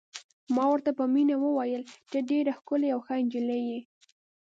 ما ورته په مینه وویل: ته ډېره ښکلې او ښه نجلۍ یې.